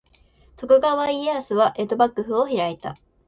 徳川家康は江戸幕府を開いた。